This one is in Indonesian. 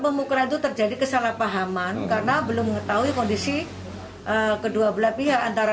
pemukulan itu terjadi kesalahpahaman karena belum mengetahui kondisi kedua belah pihak antara